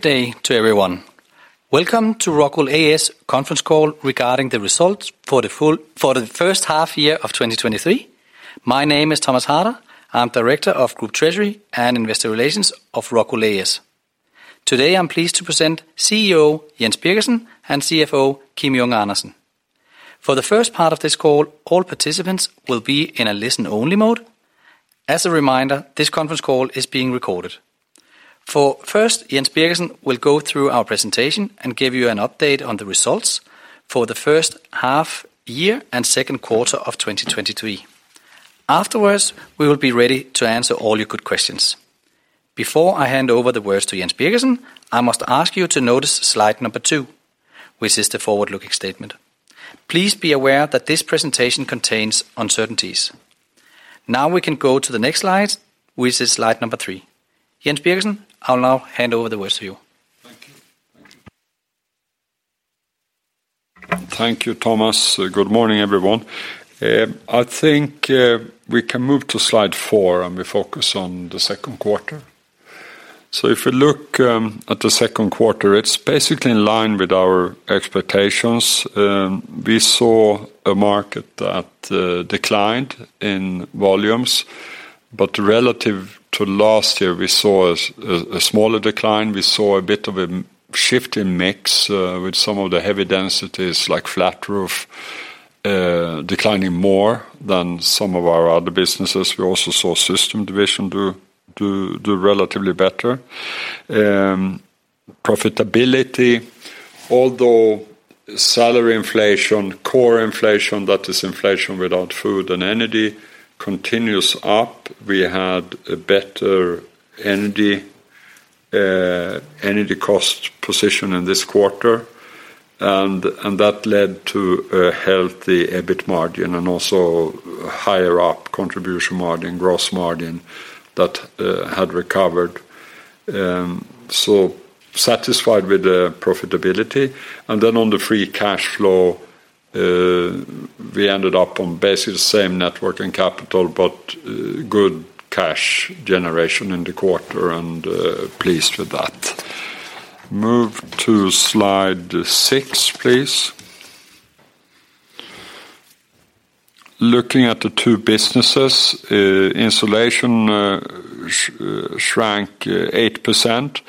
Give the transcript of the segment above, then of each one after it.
Good day to everyone. Welcome to ROCKWOOL A/S conference call regarding the results for the first half year of 2023. My name is Thomas Harder. I'm Director of Group Treasury and Investor Relations of ROCKWOOL A/S. Today, I'm pleased to present CEO Jens Birgersson and CFO Kim Junge Andersen. For the first part of this call, all participants will be in a listen-only mode. As a reminder, this conference call is being recorded. First, Jens Birgersson will go through our presentation and give you an update on the results for the first half year and second quarter of 2023. Afterwards, we will be ready to answer all your good questions. Before I hand over the words to Jens Birgersson, I must ask you to notice slide number 2, which is the forward-looking statement. Please be aware that this presentation contains uncertainties. Now we can go to the next slide, which is slide number three. Jens Birgersson, I'll now hand over the words to you. Thank you. Thank you. Thank you, Thomas. Good morning, everyone. I think we can move to slide four, and we focus on the second quarter. So if you look at the second quarter, it's basically in line with our expectations. We saw a market that declined in volumes, but relative to last year, we saw a smaller decline. We saw a bit of a shift in mix with some of the heavy densities, like flat roof, declining more than some of our other businesses. We also saw Systems division do relatively better. Profitability, although salary inflation, core inflation, that is inflation without food and energy, continues up, we had a better energy cost position in this quarter, and that led to a healthy EBIT margin and also higher contribution margin, gross margin that had recovered. So satisfied with the profitability. And then on the free cash flow, we ended up on basically the same net working capital, but good cash generation in the quarter and pleased with that. Move to slide six, please. Looking at the two businesses, insulation shrank 8%.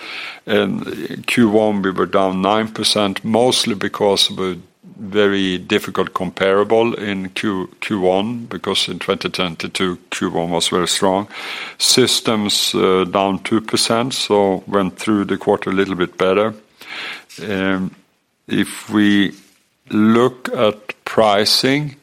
In Q1, we were down 9%, mostly because of a very difficult comparable in Q1, because in 2022, Q1 was very strong. Systems down 2%, so went through the quarter a little bit better. If we look at pricing,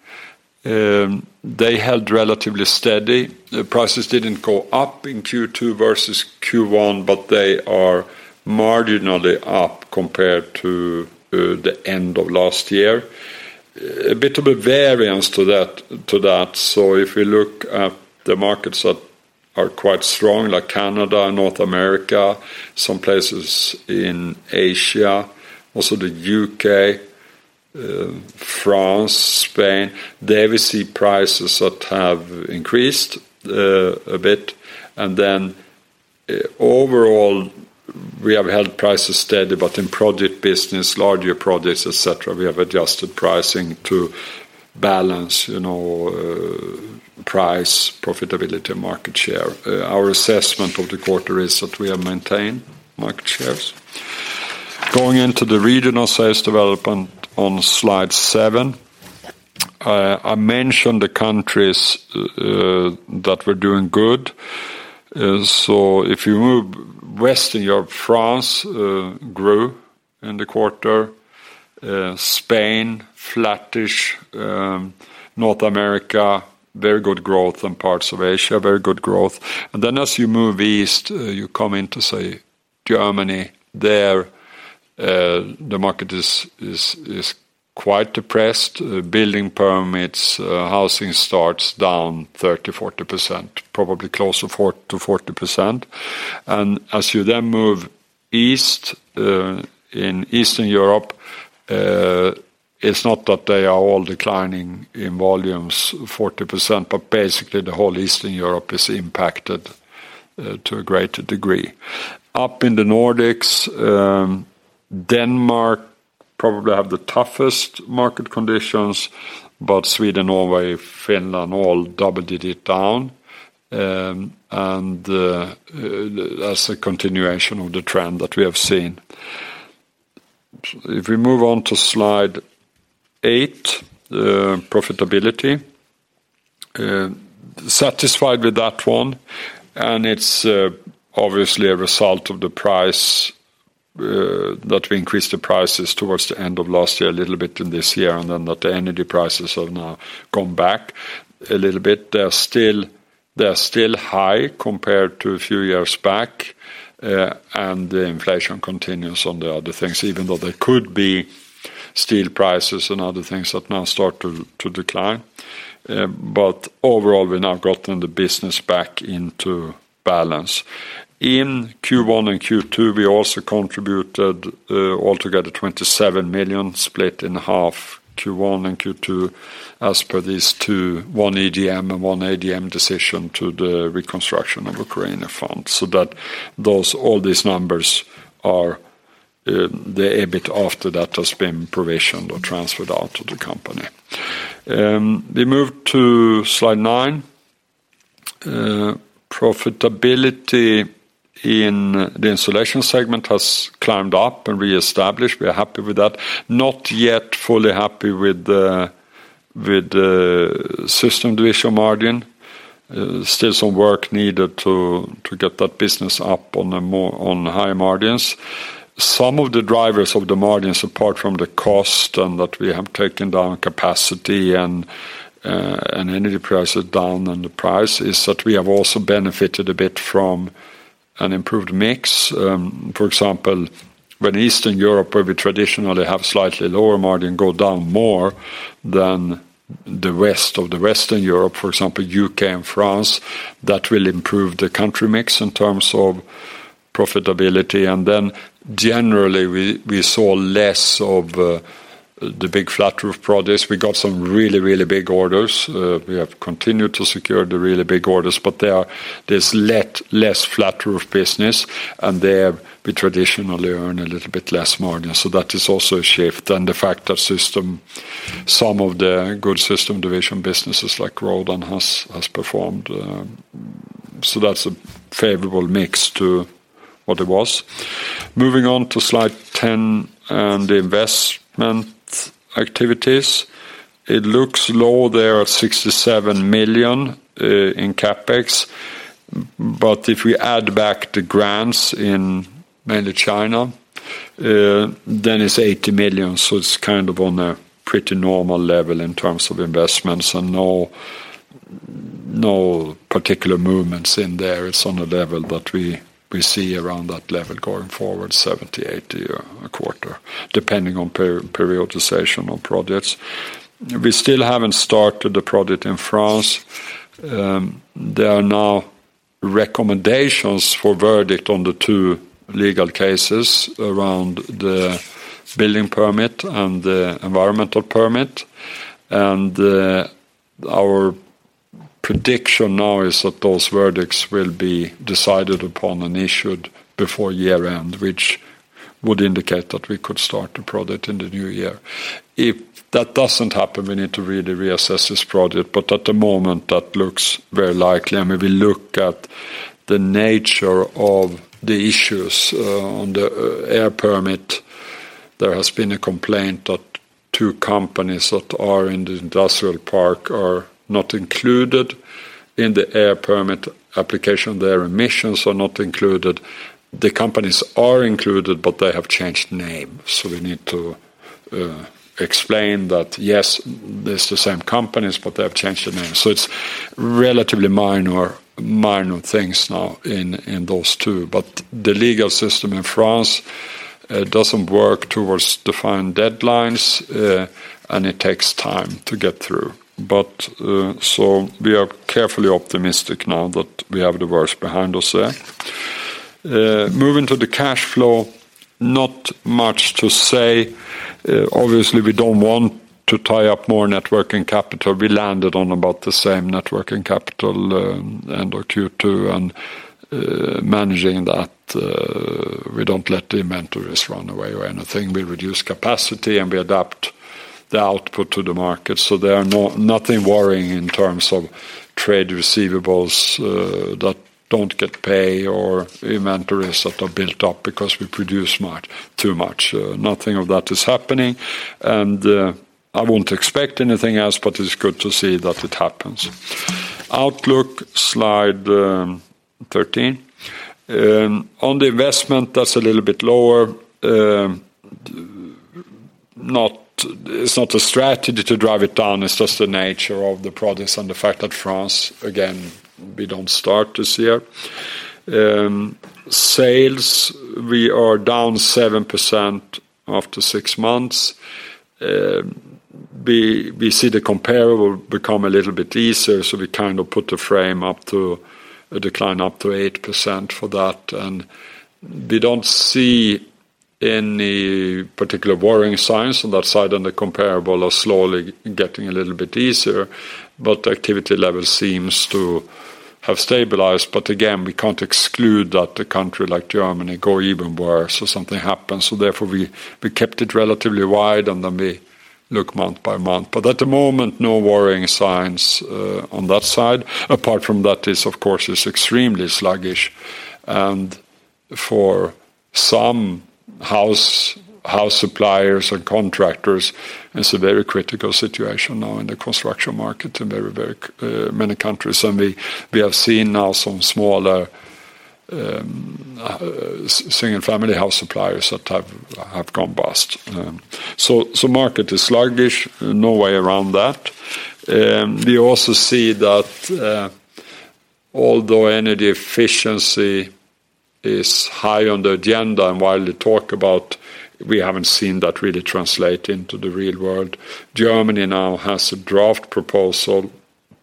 they held relatively steady. The prices didn't go up in Q2 versus Q1, but they are marginally up compared to the end of last year. A bit of a variance to that, so if we look at the markets that are quite strong, like Canada, North America, some places in Asia, also the UK, France, Spain, there we see prices that have increased a bit. And then, overall, we have held prices steady, but in project business, larger projects, et cetera, we have adjusted pricing to balance, you know, price, profitability, and market share. Our assessment of the quarter is that we have maintained market shares. Going into the regional sales development on slide 7, I mentioned the countries that were doing good. So if you move Western Europe, France grew in the quarter, Spain flattish, North America very good growth, and parts of Asia very good growth. And then as you move east, you come into, say, Germany. There, the market is quite depressed. Building permits, housing starts down 30%-40%, probably closer to 40%-40%. And as you then move east, in Eastern Europe, it's not that they are all declining in volumes 40%, but basically the whole Eastern Europe is impacted, to a greater degree. Up in the Nordics, Denmark probably have the toughest market conditions, but Sweden, Norway, Finland, all double-digit down, and that's a continuation of the trend that we have seen. If we move on to slide 8, profitability, satisfied with that one, and it's obviously a result of the price that we increased the prices towards the end of last year, a little bit in this year, and then that the energy prices have now gone back a little bit. They're still, they're still high compared to a few years back, and the inflation continues on the other things, even though there could be steel prices and other things that now start to, to decline. But overall, we've now gotten the business back into balance. In Q1 and Q2, we also contributed altogether 27 million, split in half, Q1 and Q2, as per these two, one EGM and one AGM decision to the Reconstruction of Ukraine Fund, so that those all these numbers are... The EBIT after that has been provisioned or transferred out to the company. We move to slide 9. Profitability in the insulation segment has climbed up and reestablished. We are happy with that. Not yet fully happy with the systems division margin. Still some work needed to get that business up on higher margins. Some of the drivers of the margins, apart from the cost and that we have taken down capacity and energy prices down, and the prices that we have also benefited a bit from an improved mix. For example, when Eastern Europe, where we traditionally have slightly lower margin, go down more than the rest of Western Europe, for example, UK and France, that will improve the country mix in terms of profitability. And then, generally, we saw less of the big flat roof projects. We got some really, really big orders. We have continued to secure the really big orders, but there are—there's less flat roof business, and there we traditionally earn a little bit less margin, so that is also a shift. And the fact that Systems, some of the good Systems division businesses like Grodan has performed, so that's a favorable mix to what it was. Moving on to slide 10, and investment activities. It looks low there at 67 million in CapEx, but if we add back the grants in mainly China, then it's 80 million, so it's kind of on a pretty normal level in terms of investments, and no particular movements in there. It's on a level that we see around that level going forward, 70-80 a quarter, depending on periodization of projects. We still haven't started the project in France. There are now recommendations for verdict on the two legal cases around the building permit and the environmental permit, and our prediction now is that those verdicts will be decided upon and issued before year-end, which would indicate that we could start the project in the new year. If that doesn't happen, we need to really reassess this project, but at the moment, that looks very likely, and we will look at the nature of the issues on the air permit. There has been a complaint that two companies that are in the industrial park are not included in the air permit application. Their emissions are not included. The companies are included, but they have changed name, so we need to explain that, yes, this is the same companies, but they have changed the name. So it's relatively minor, minor things now in those two, but the legal system in France doesn't work towards defined deadlines, and it takes time to get through. But, so we are carefully optimistic now that we have the worst behind us there. Moving to the cash flow, not much to say. Obviously, we don't want to tie up more net working capital. We landed on about the same net working capital end of Q2, and managing that, we don't let the inventories run away or anything. We reduce capacity, and we adapt the output to the market, so there is nothing worrying in terms of trade receivables that don't get paid or inventories that are built up because we produce much too much. Nothing of that is happening, and I won't expect anything else, but it's good to see that it happens. Outlook, slide 13. On the investment, that's a little bit lower. It's not a strategy to drive it down, it's just the nature of the products and the fact that France, again, we don't start this year. Sales, we are down 7% after six months. We see the comparable become a little bit easier, so we kind of put the frame up to a decline up to 8% for that, and we don't see any particular worrying signs on that side, and the comparable are slowly getting a little bit easier, but activity level seems to have stabilized. But again, we can't exclude that a country like Germany go even worse or something happens, so therefore, we kept it relatively wide, and then we look month by month. But at the moment, no worrying signs on that side. Apart from that, it's of course, it's extremely sluggish, and for some house suppliers or contractors, it's a very critical situation now in the construction market in very, very many countries, and we have seen now some smaller single-family house suppliers that have gone bust. So market is sluggish, no way around that. We also see that, although energy efficiency is high on the agenda and widely talked about, we haven't seen that really translate into the real world. Germany now has a draft proposal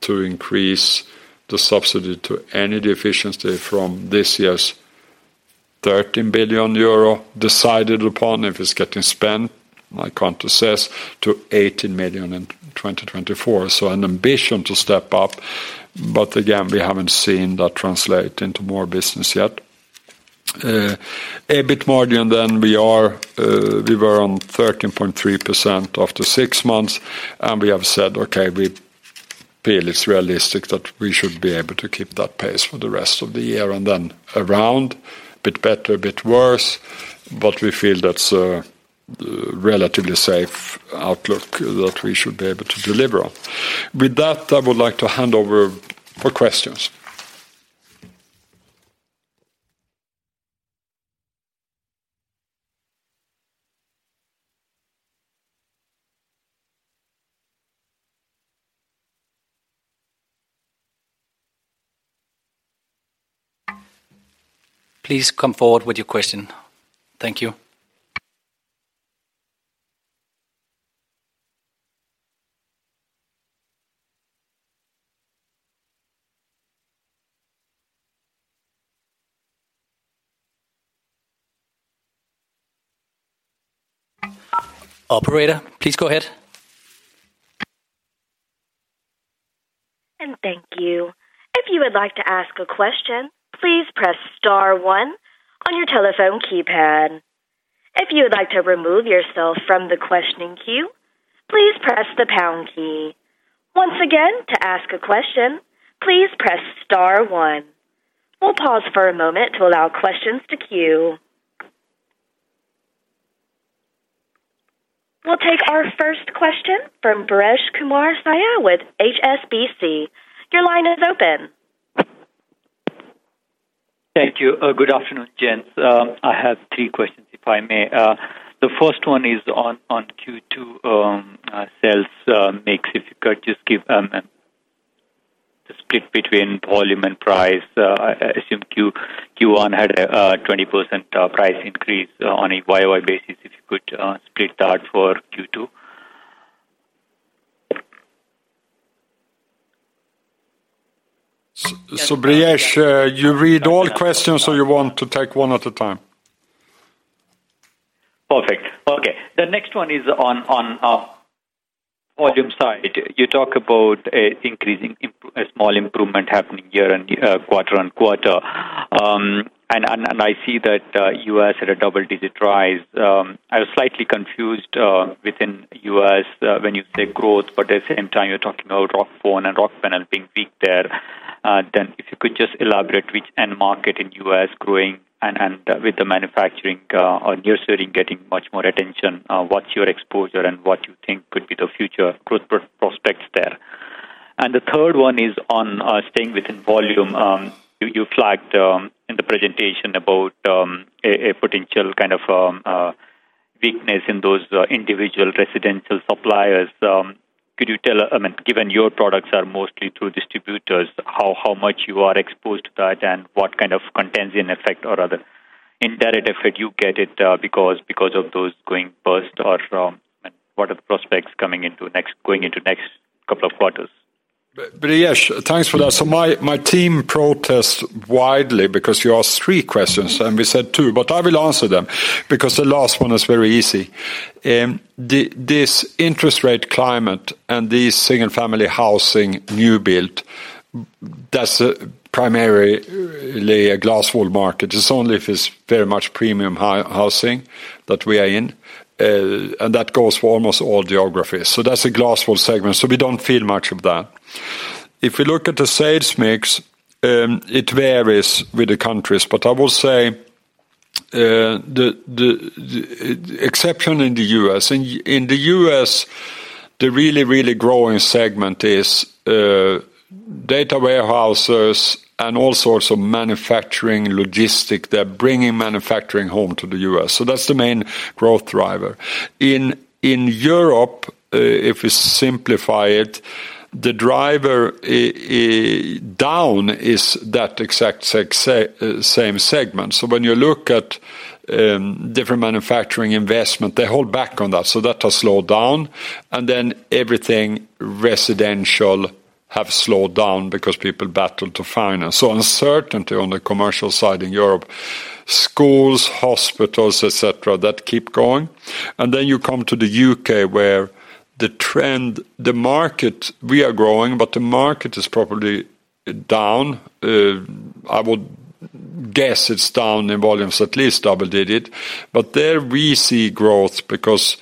to increase the subsidy to energy efficiency from this year's 13 billion euro, decided upon if it's getting spent. I can't assess, to 18 million in 2024. So an ambition to step up, but again, we haven't seen that translate into more business yet. EBIT margin, then we are, we were on 13.3% after six months, and we have said, okay, we feel it's realistic that we should be able to keep that pace for the rest of the year, and then around, a bit better, a bit worse, but we feel that's a relatively safe outlook that we should be able to deliver on. With that, I would like to hand over for questions. Please come forward with your question. Thank you. Operator, please go ahead. And thank you. If you would like to ask a question, please press star one on your telephone keypad. If you would like to remove yourself from the questioning queue, please press the pound key. Once again, to ask a question, please press star one. We'll pause for a moment to allow questions to queue. We'll take our first question from Brijesh Kumar with HSBC. Your line is open. Thank you. Good afternoon, gents. I have three questions, if I may. The first one is on Q2 sales mix. If you could just give the split between volume and price. I assume Q1 had a 20% price increase on a YOY basis, if you could split that for Q2. So Buresh, you read all questions, or you want to take one at a time? Perfect. Okay, the next one is on volume side. You talk about an increasing a small improvement happening year and quarter on quarter. And I see that U.S. had a double-digit rise. I was slightly confused within U.S. when you say growth, but at the same time, you're talking about Rockfon and Rockpanel being weak there. Then if you could just elaborate which end market in U.S. growing and with the manufacturing on your side getting much more attention, what's your exposure and what you think could be the future growth prospects there? And the third one is on staying within volume. You flagged in the presentation about a potential kind of weakness in those individual residential suppliers. Could you tell, I mean, given your products are mostly through distributors, how much you are exposed to that, and what kind of contagion effect or other indirect effect you get it, because of those going bust, or what are the prospects going into next couple of quarters? Buresh, thanks for that. So my team protested wildly because you asked three questions, and we said two, but I will answer them because the last one is very easy. This interest rate climate and this single-family housing new build, that's primarily a glass wool market. It's only if it's very much premium high- housing that we are in, and that goes for almost all geographies. So that's a glass wool segment, so we don't feel much of that. If we look at the sales mix, it varies with the countries, but I will say, the exception in the U.S. In the U.S., the really growing segment is data warehouses and all sorts of manufacturing, logistics. They're bringing manufacturing home to the U.S., so that's the main growth driver. In Europe, if we simplify it, the driver down is that exact same segment. So when you look at different manufacturing investment, they hold back on that, so that has slowed down, and then everything residential have slowed down because people battle to finance. So uncertainty on the commercial side in Europe, schools, hospitals, et cetera, that keep going. And then you come to the UK, where the trend... The market, we are growing, but the market is probably down. I would guess it's down in volumes at least double-digit. But there, we see growth because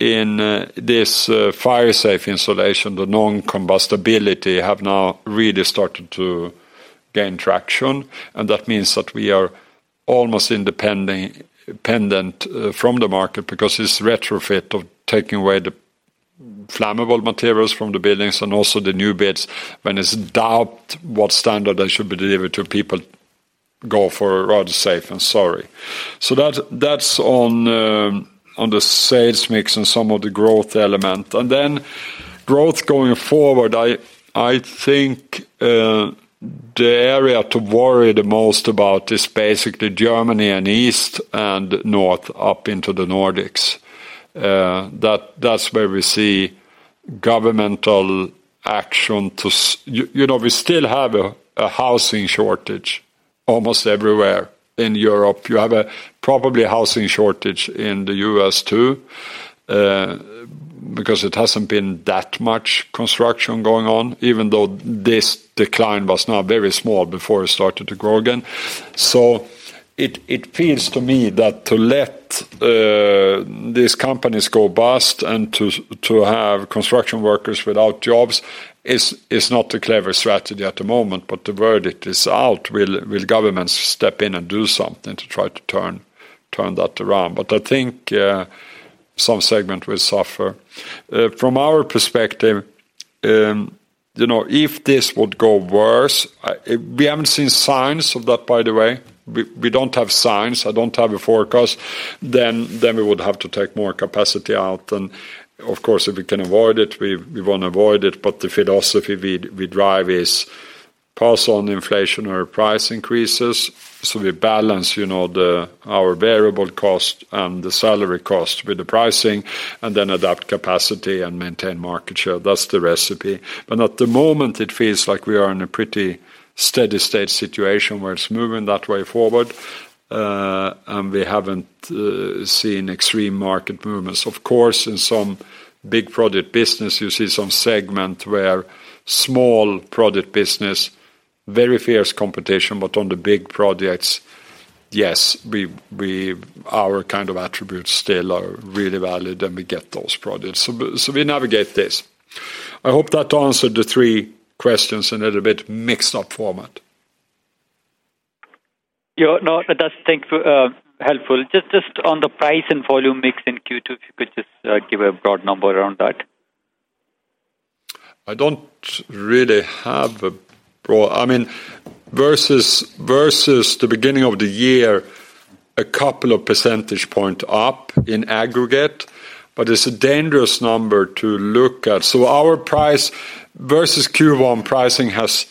in this fire-safe insulation, the non-combustibility have now really started to gain traction, and that means that we are almost independent from the market because it's retrofit of taking away the flammable materials from the buildings and also the new builds. When in doubt what standard they should be delivered to, people go for better safe than sorry. So that's on the sales mix and some of the growth element. And then growth going forward, I think the area to worry the most about is basically Germany and East and North, up into the Nordics. That's where we see governmental action, you know, we still have a housing shortage almost everywhere in Europe. You probably have a housing shortage in the U.S., too, because there hasn't been that much construction going on, even though this decline was now very small before it started to grow again. So it feels to me that to let these companies go bust and to have construction workers without jobs is not a clever strategy at the moment, but the verdict is out. Will governments step in and do something to try to turn that around? But I think some segment will suffer. From our perspective, you know, if this would go worse, we haven't seen signs of that, by the way. We don't have signs. I don't have a forecast. Then we would have to take more capacity out, and of course, if we can avoid it, we want to avoid it. But the philosophy we drive is pass on inflation or price increases, so we balance, you know, our variable cost and the salary cost with the pricing, and then adapt capacity and maintain market share. That's the recipe. But at the moment, it feels like we are in a pretty steady state situation where it's moving that way forward, and we haven't seen extreme market movements. Of course, in some big product business, you see some segment where small product business, very fierce competition, but on the big projects, yes, our kind of attributes still are really valid, and we get those projects. So we navigate this. I hope that answered the three questions in a little bit mixed-up format. Yeah, no, that's helpful. Just, just on the price and volume mix in Q2, if you could just give a broad number around that. I don't really have a—I mean, versus the beginning of the year, a couple of percentage point up in aggregate, but it's a dangerous number to look at. So our price versus Q1 pricing has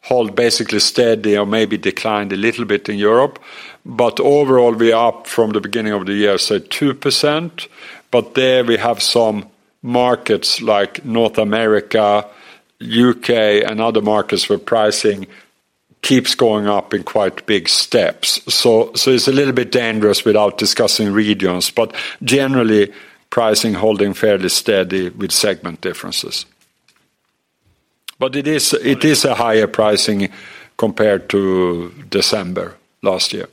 held basically steady or maybe declined a little bit in Europe, but overall, we are up from the beginning of the year, so 2%, but there we have some markets like North America, UK, and other markets where pricing keeps going up in quite big steps. So it's a little bit dangerous without discussing regions, but generally, pricing holding fairly steady with segment differences. But it is- Right. It is a higher pricing compared to December last year.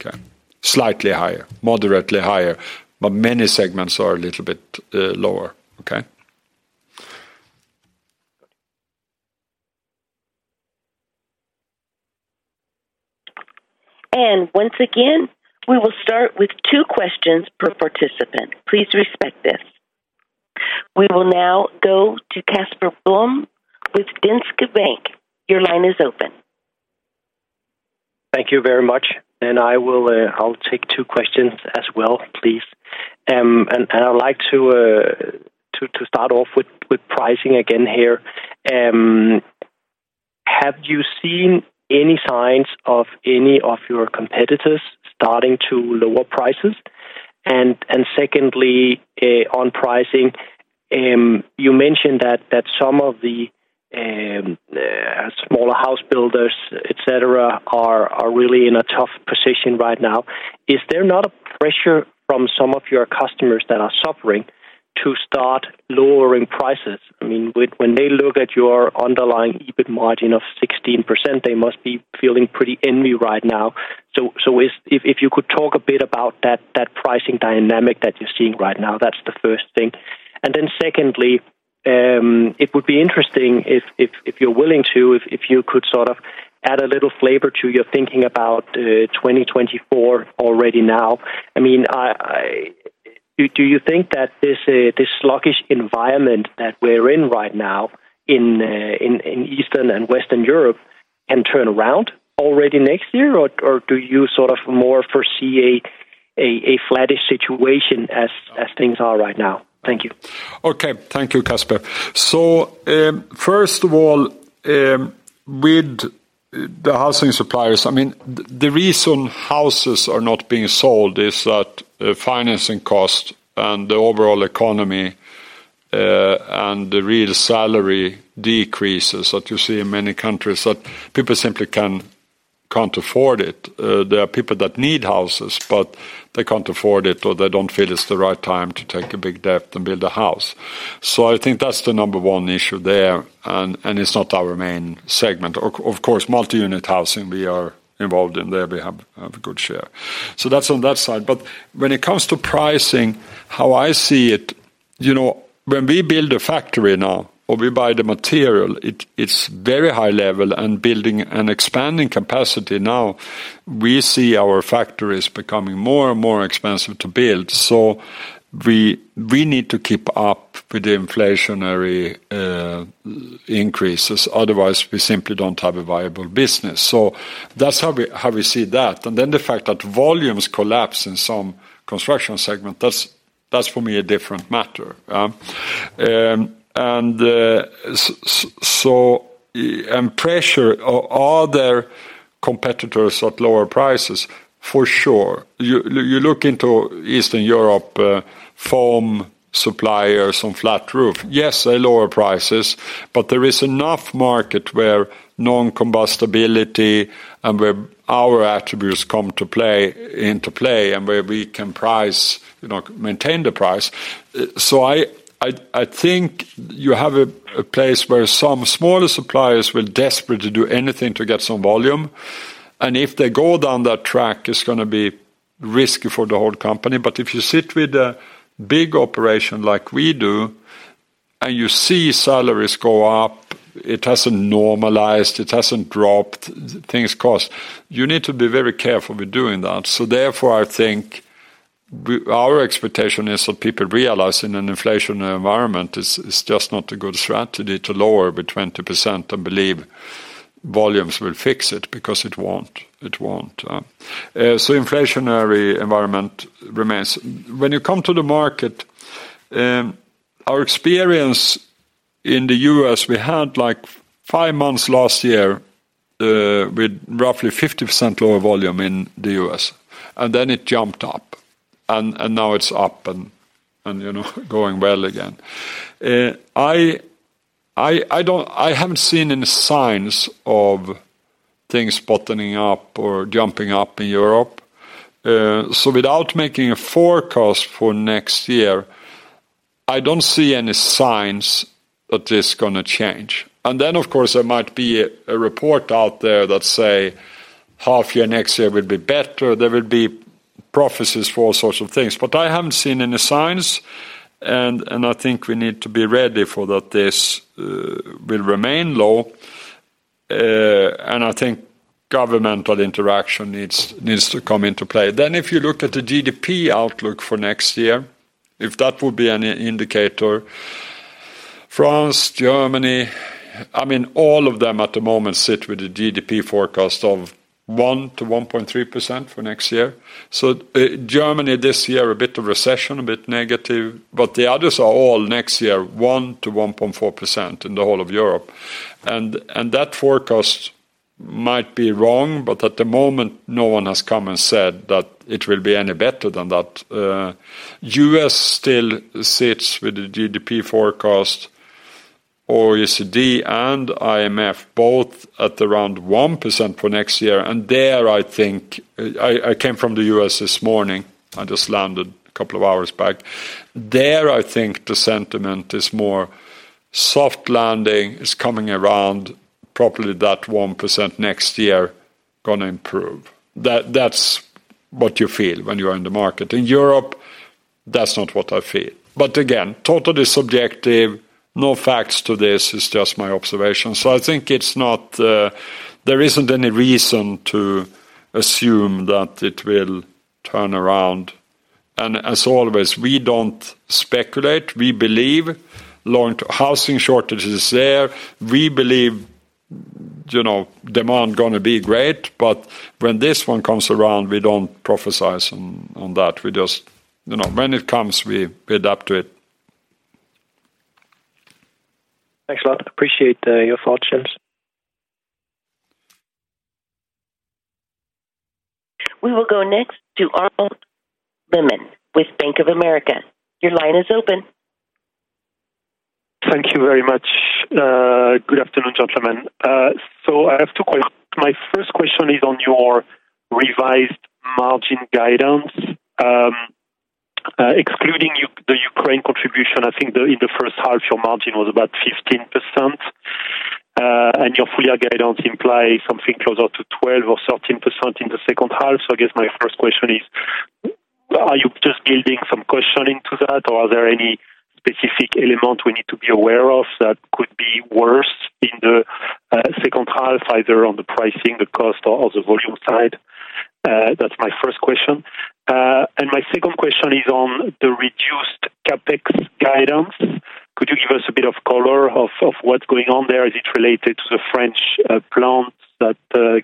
Okay. Slightly higher, moderately higher, but many segments are a little bit, lower, okay? Once again, we will start with two questions per participant. Please respect this. We will now go to Casper Blom with Danske Bank. Your line is open. Thank you very much, and I will, I'll take two questions as well, please. And I'd like to start off with pricing again here. Have you seen any signs of any of your competitors starting to lower prices? And secondly, on pricing, you mentioned that some of the smaller house builders, et cetera, are really in a tough position right now. Is there not a pressure from some of your customers that are suffering to start lowering prices? I mean, when they look at your underlying EBIT margin of 16%, they must be feeling pretty envious right now. So if you could talk a bit about that pricing dynamic that you're seeing right now, that's the first thing. And then secondly, it would be interesting if you're willing to, if you could sort of add a little flavor to your thinking about 2024 already now. I mean, do you think that this sluggish environment that we're in right now in Eastern and Western Europe can turn around already next year, or do you sort of more foresee a flattish situation as things are right now? Thank you. Okay. Thank you, Casper. So, first of all, with the housing suppliers, I mean, the reason houses are not being sold is that, financing cost and the overall economy, and the real salary decreases that you see in many countries, that people simply can't afford it. There are people that need houses, but they can't afford it, or they don't feel it's the right time to take a big debt and build a house. So I think that's the number one issue there, and it's not our main segment. Of course, multi-unit housing, we are involved in there. We have a good share. So that's on that side. But when it comes to pricing, how I see it, you know, when we build a factory now or we buy the material, it's very high level, and building and expanding capacity now, we see our factories becoming more and more expensive to build. So we need to keep up with the inflationary increases. Otherwise, we simply don't have a viable business. So that's how we see that. And then the fact that volumes collapse in some construction segment, that's for me a different matter. And under pressure, are there competitors at lower prices, for sure. You look into Eastern Europe, foam suppliers on flat roof. Yes, they lower prices, but there is enough market where non-combustibility and where our attributes come into play, and where we can price, you know, maintain the price. So I think you have a place where some smaller suppliers will desperate to do anything to get some volume, and if they go down that track, it's gonna be risky for the whole company. But if you sit with a big operation like we do, and you see salaries go up, it hasn't normalized, it hasn't dropped, things cost, you need to be very careful with doing that. So therefore, I think our expectation is that people realize in an inflationary environment, it's just not a good strategy to lower by 20% and believe volumes will fix it, because it won't. It won't. So inflationary environment remains. When you come to the market, our experience in the U.S., we had, like, five months last year with roughly 50% lower volume in the U.S., and then it jumped up, and now it's up and, you know, going well again. I haven't seen any signs of things bottoming up or jumping up in Europe. So without making a forecast for next year, I don't see any signs that it's gonna change. And then, of course, there might be a report out there that say half year next year will be better. There will be prophecies for all sorts of things. But I haven't seen any signs, and I think we need to be ready for that this will remain low, and I think governmental interaction needs to come into play. Then if you look at the GDP outlook for next year, if that would be an indicator, France, Germany, I mean, all of them at the moment sit with a GDP forecast of 1%-1.3% for next year. So, Germany, this year, a bit of recession, a bit negative, but the others are all next year, 1%-1.4% in the whole of Europe. And that forecast might be wrong, but at the moment, no one has come and said that it will be any better than that. U.S. still sits with the GDP forecast, or OECD and IMF, both at around 1% for next year, and there, I think... I came from the U.S. this morning. I just landed a couple of hours back. There, I think the sentiment is more soft landing, is coming around, probably that 1% next year gonna improve. That's what you feel when you are in the market. In Europe, that's not what I feel. But again, totally subjective, no facts to this, it's just my observation. So I think it's not, there isn't any reason to assume that it will turn around. And as always, we don't speculate, we believe long-term housing shortage is there. We believe, you know, demand gonna be great, but when this one comes around, we don't prophesize on, on that. We just, you know, when it comes, we adapt to it. Thanks a lot. Appreciate, your thoughts, James. We will go next to Arnaud Lehmann with Bank of America. Your line is open. Thank you very much. Good afternoon, gentlemen. So I have two questions. My first question is on your revised margin guidance. Excluding the Ukraine contribution, I think in the first half, your margin was about 15%, and your full year guidance implies something closer to 12 or 13% in the second half. So I guess my first question is, are you just building some caution into that, or are there any specific element we need to be aware of that could be worse in the second half, either on the pricing, the cost, or on the volume side? That's my first question. And my second question is on the reduced CapEx guidance. Could you give us a bit of color on what's going on there? Is it related to the French plants that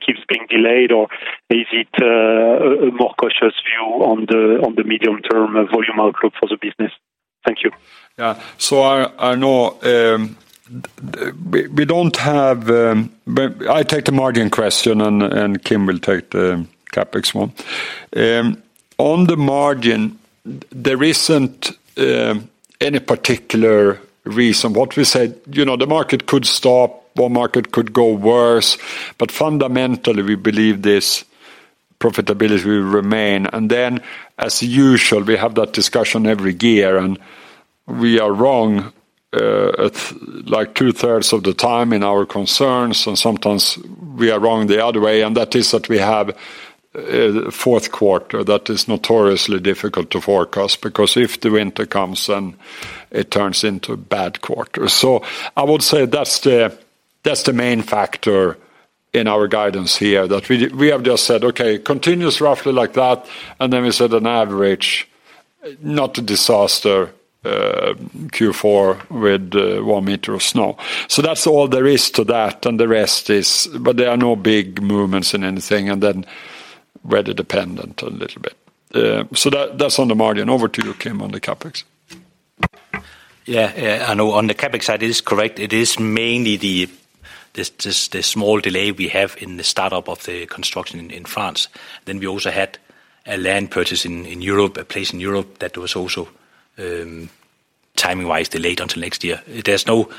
keeps being delayed, or is it a more cautious view on the medium-term volume outlook for the business? Thank you. Yeah. So I, I know, we, we don't have... But I take the margin question, and, and Kim will take the CapEx one. On the margin, there isn't any particular reason. What we said, you know, the market could stop or market could go worse, but fundamentally, we believe this profitability will remain. And then, as usual, we have that discussion every year, and we are wrong at, like, two-thirds of the time in our concerns, and sometimes we are wrong the other way, and that is that we have fourth quarter that is notoriously difficult to forecast, because if the winter comes, then it turns into a bad quarter. So I would say that's the, that's the main factor in our guidance here, that we, we have just said, "Okay, continuous, roughly like that." And then we set an average, not a disaster, Q4 with one meter of snow. So that's all there is to that, and the rest is... But there are no big movements in anything, and then weather dependent a little bit. So that, that's on the margin. Over to you, Kim, on the CapEx.... Yeah, yeah, I know on the CapEx side, it is correct. It is mainly the small delay we have in the startup of the construction in France. Then we also had a land purchase in Europe, a place in Europe that was also timing-wise delayed until next year. There's no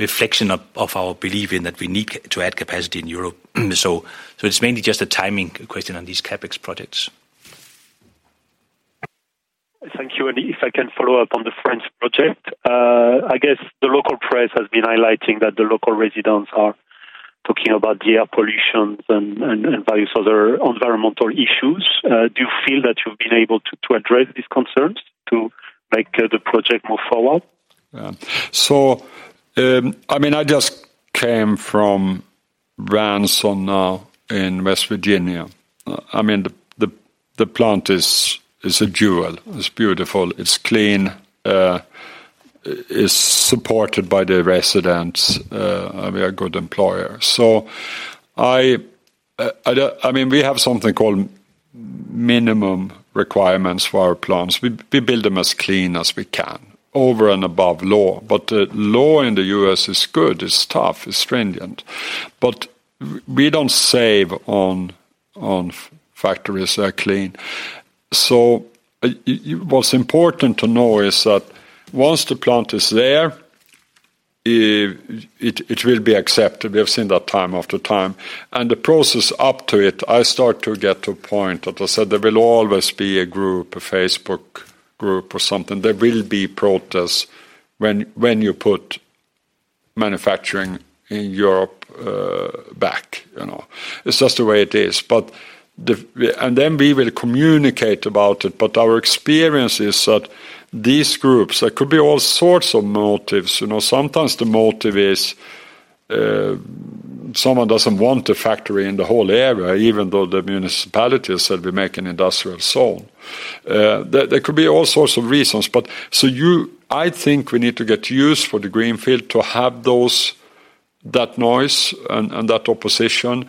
reflection of our belief in that we need to add capacity in Europe. So it's mainly just a timing question on these CapEx projects. Thank you. And if I can follow up on the French project, I guess the local press has been highlighting that the local residents are talking about the air pollution and various other environmental issues. Do you feel that you've been able to address these concerns, to make the project move forward? Yeah. So, I mean, I just came from Ranson now in West Virginia. I mean, the plant is a jewel. It's beautiful, it's clean, it's supported by the residents, and we are a good employer. So I mean, we have something called minimum requirements for our plants. We build them as clean as we can, over and above law. But the law in the U.S. is good, it's tough, it's stringent, but we don't save on factories that are clean. So what's important to know is that once the plant is there, it will be accepted. We have seen that time after time. And the process up to it, I start to get to a point that I said there will always be a group, a Facebook group or something. There will be protests when you put manufacturing in Europe, back, you know? It's just the way it is. But the... And then we will communicate about it, but our experience is that these groups, there could be all sorts of motives. You know, sometimes the motive is, someone doesn't want a factory in the whole area, even though the municipality said we make an industrial zone. There, there could be all sorts of reasons, but so you, I think we need to get used for the greenfield to have those, that noise and, and that opposition,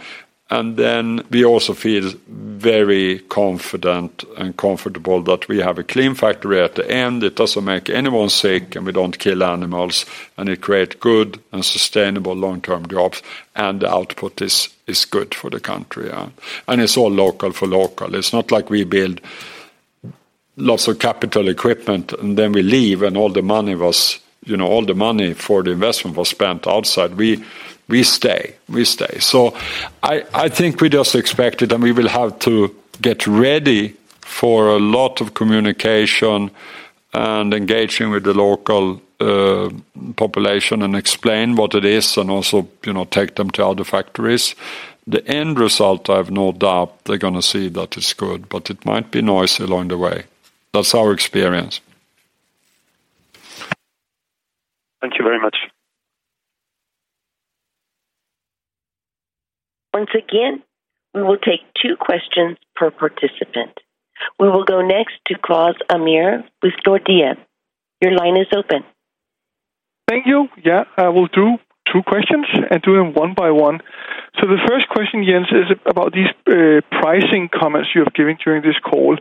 and then we also feel very confident and comfortable that we have a clean factory at the end. It doesn't make anyone sick, and we don't kill animals, and it create good and sustainable long-term jobs, and the output is, is good the country, yeah. It's all local for local. It's not like we build lots of capital equipment, and then we leave, and all the money was, you know, all the money for the investment was spent outside. We, we stay, we stay. So I, I think we just expect it, and we will have to get ready for a lot of communication and engaging with the local population and explain what it is, and also, you know, take them to other factories. The end result, I have no doubt they're gonna see that it's good, but it might be noisy along the way. That's our experience. Thank you very much. Once again, we will take two questions per participant. We will go next to Claus Almer with Nordea. Your line is open. Thank you. Yeah, I will do two questions and do them one by one. So the first question, Jens, is about these pricing comments you have given during this call.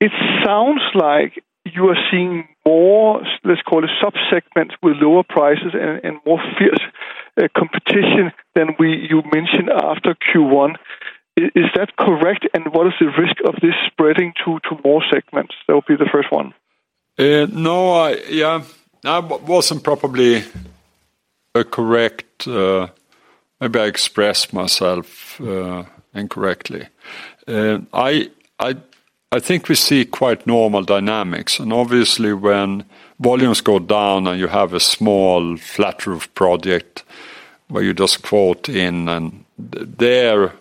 It sounds like you are seeing more, let's call it, sub-segments with lower prices and more fierce competition than you mentioned after Q1. Is that correct, and what is the risk of this spreading to more segments? That would be the first one. No, yeah, I wasn't probably correct. Maybe I expressed myself incorrectly. I think we see quite normal dynamics, and obviously when volumes go down and you have a small flat roof project where you just quote in, and there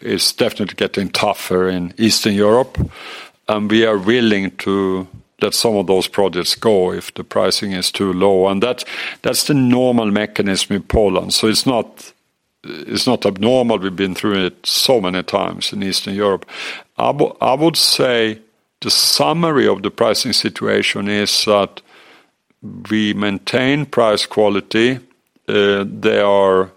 is definitely getting tougher in Eastern Europe, and we are willing to let some of those projects go if the pricing is too low, and that's the normal mechanism in Poland. So it's not abnormal. We've been through it so many times in Eastern Europe. I would say the summary of the pricing situation is that we maintain price quality. There are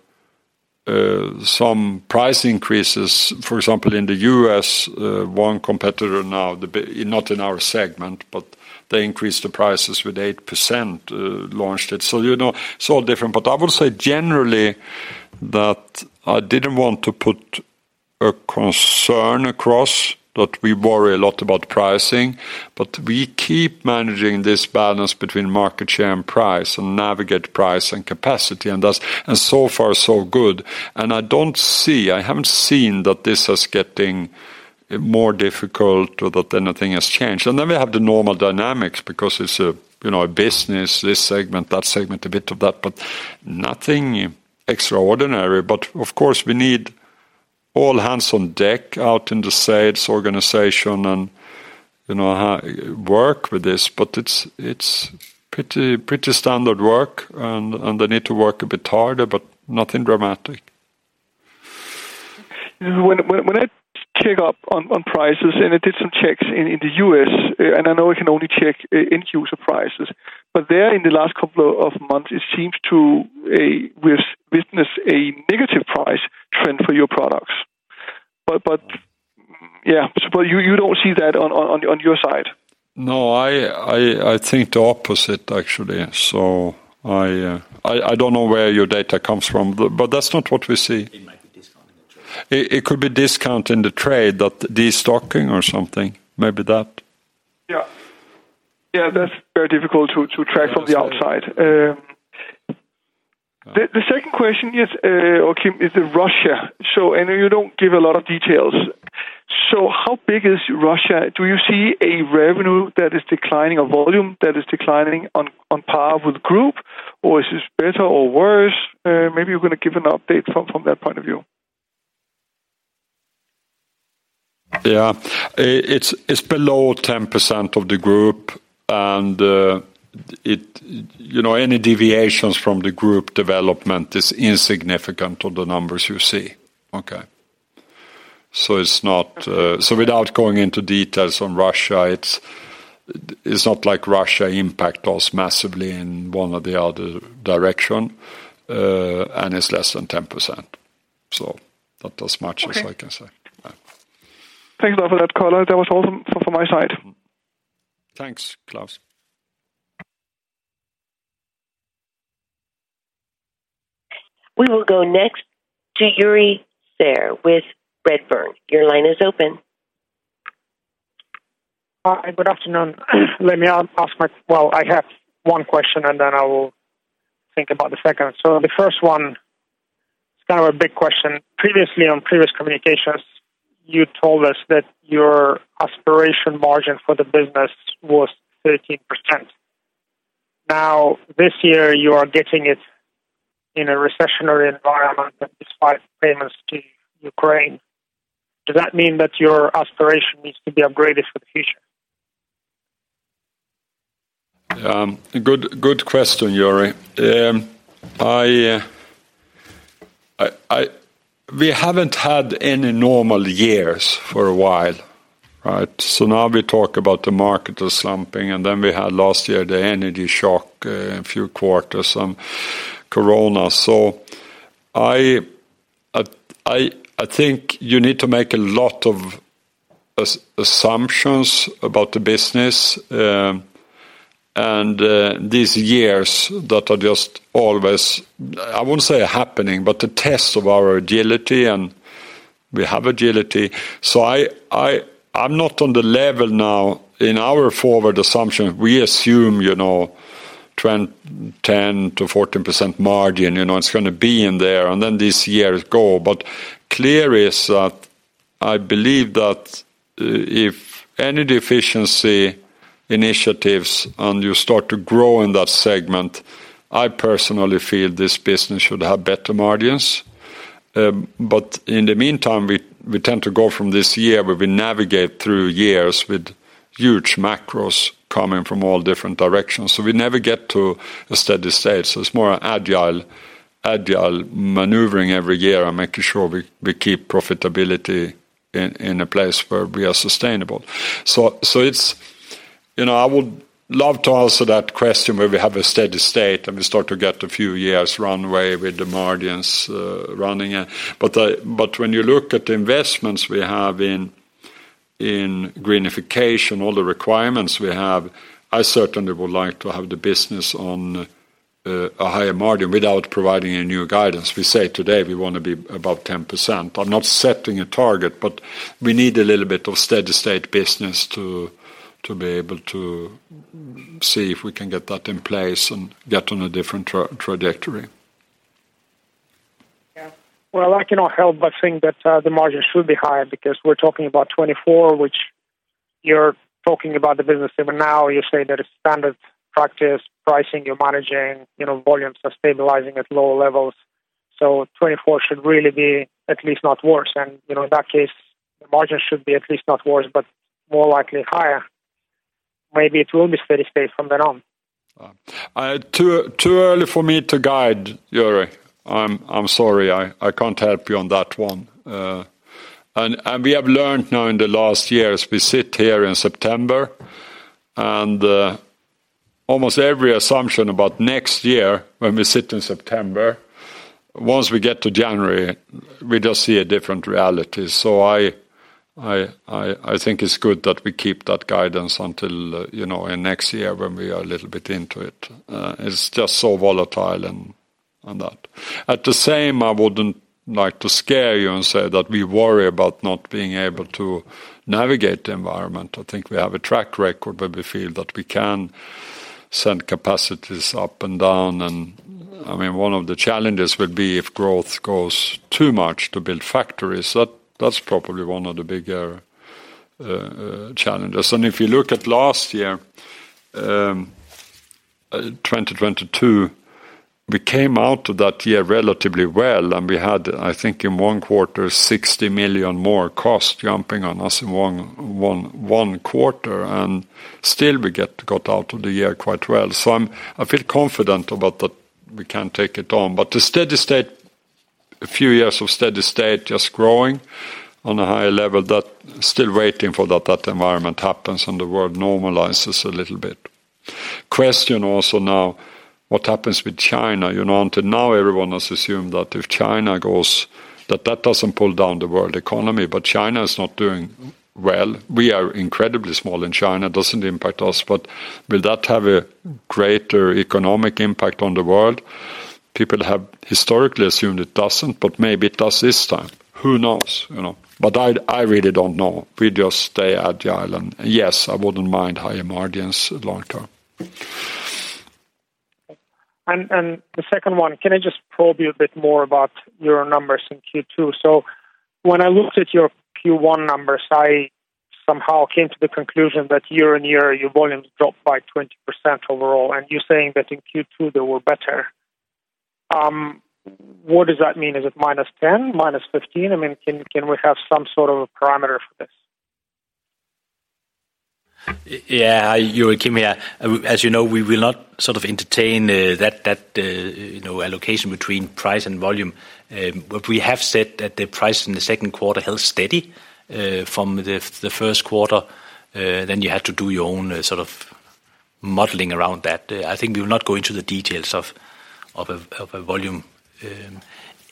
some price increases. For example, in the US, one competitor now, not in our segment, but they increased the prices with 8%, launched it. So, you know, it's all different, but I would say generally that I didn't want to put a concern across, that we worry a lot about pricing, but we keep managing this balance between market share and price and navigate price and capacity, and thus... And so far, so good. And I don't see, I haven't seen that this is getting more difficult or that anything has changed. And then we have the normal dynamics because it's a, you know, a business, this segment, that segment, a bit of that, but nothing extraordinary. But of course, we need all hands on deck out in the sales organization and, you know, work with this, but it's, it's pretty, pretty standard work, and, and they need to work a bit harder, but nothing dramatic. When I check up on prices, and I did some checks in the US, and I know I can only check end user prices, but in the last couple of months, it seems we've witnessed a negative price trend for your products... But you don't see that on your side? No, I think the opposite, actually. So I don't know where your data comes from, but that's not what we see. It might be discounting the trade. It could be discount in the trade, that destocking or something. Maybe that. Yeah. Yeah, that's very difficult to track from the outside. The second question is okay, is Russia. So I know you don't give a lot of details. So how big is Russia? Do you see a revenue that is declining or volume that is declining on par with group, or is this better or worse? Maybe you're gonna give an update from that point of view. Yeah. It's below 10% of the group, and it—you know, any deviations from the group development is insignificant to the numbers you see. Okay? So it's not... So without going into details on Russia, it's not like Russia impact us massively in one or the other direction, and it's less than 10%. So that as much as- Okay. I can say. Thanks a lot for that, Kalle. That was all from my side. Thanks, Claus. We will go next to Yuri Serov with Redburn. Your line is open. Hi, good afternoon. Let me ask. Well, I have one question, and then I will think about the second. So the first one, kind of a big question. Previously, on previous communications, you told us that your aspiration margin for the business was 13%. Now, this year, you are getting it in a recessionary environment, and despite payments to Ukraine. Does that mean that your aspiration needs to be upgraded for the future? Good, good question, Yuri. We haven't had any normal years for a while, right? So now we talk about the market is slumping, and then we had last year, the energy shock, a few quarters, some corona. So I think you need to make a lot of assumptions about the business, and these years that are just always, I wouldn't say happening, but the test of our agility, and we have agility. So I'm not on the level now. In our forward assumption, we assume, you know, trend 10%-14% margin, you know, it's gonna be in there, and then these years go. But clear is that I believe that, if any deficiency initiatives and you start to grow in that segment, I personally feel this business should have better margins. But in the meantime, we tend to go from this year, where we navigate through years with huge macros coming from all different directions. So we never get to a steady state. So it's more agile maneuvering every year and making sure we keep profitability in a place where we are sustainable. So it's... You know, I would love to answer that question where we have a steady state, and we start to get a few years runway with the margins running. But when you look at the investments we have in greenification, all the requirements we have, I certainly would like to have the business on a higher margin without providing a new guidance. We say today, we want to be above 10%. I'm not setting a target, but we need a little bit of steady state business to be able to see if we can get that in place and get on a different trajectory. Yeah. Well, I cannot help but think that the margin should be higher because we're talking about 2024, which you're talking about the business even now. You say that it's standard practice, pricing, you're managing, you know, volumes are stabilizing at lower levels. So 2024 should really be at least not worse, and, you know, in that case, the margin should be at least not worse, but more likely higher. Maybe it will be steady state from then on. Too early for me to guide, Yuri. I'm sorry, I can't help you on that one. And we have learned now in the last years, we sit here in September, and almost every assumption about next year, when we sit in September, once we get to January, we just see a different reality. So I think it's good that we keep that guidance until, you know, in next year when we are a little bit into it. It's just so volatile and on that. At the same, I wouldn't like to scare you and say that we worry about not being able to navigate the environment. I think we have a track record, where we feel that we can send capacities up and down, and, I mean, one of the challenges would be if growth goes too much to build factories. That, that's probably one of the bigger challenges. And if you look at last year, 2022, we came out of that year relatively well, and we had, I think, in one quarter, 60 million more cost jumping on us in one quarter, and still we got out of the year quite well. So I feel confident about that we can take it on. But the steady state, a few years of steady state just growing on a high level, that still waiting for that, that environment happens and the world normalizes a little bit.... question also now, what happens with China? You know, until now everyone has assumed that if China goes, that that doesn't pull down the world economy, but China is not doing well. We are incredibly small, and China doesn't impact us, but will that have a greater economic impact on the world? People have historically assumed it doesn't, but maybe it does this time. Who knows, you know? But I, I really don't know. We just stay at the island. Yes, I wouldn't mind higher margins long term. The second one, can I just probe you a bit more about your numbers in Q2? So when I looked at your Q1 numbers, I somehow came to the conclusion that year-on-year, your volumes dropped by 20% overall, and you're saying that in Q2 they were better. What does that mean? Is it -10, -15? I mean, can we have some sort of a parameter for this? Yeah, hi, Joachim here. As you know, we will not sort of entertain that, you know, allocation between price and volume. What we have said that the price in the second quarter held steady from the first quarter, then you had to do your own sort of modeling around that. I think we will not go into the details of a volume,